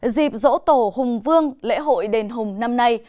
dịp dỗ tổ hùng vương lễ hội đền hùng năm nay